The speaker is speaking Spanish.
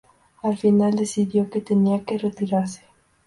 Al final decidió que tenía que retirarse.